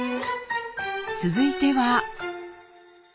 続いては。